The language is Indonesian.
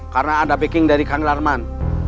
karena ada backing dari kang darman